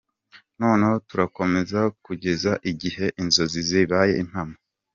Noneho turakomeza kugeza igihe inzozi zibaye impamo.